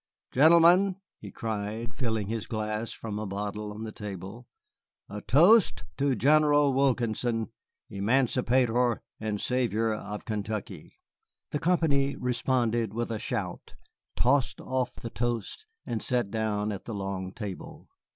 Gentlemen," he cried, filling his glass from a bottle on the table, "a toast to General Wilkinson, emancipator and saviour of Kentucky!" The company responded with a shout, tossed off the toast, and sat down at the long table.